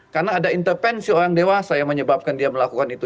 karena ada intervensi orang dewasa yang menyebabkan dia melakukan itu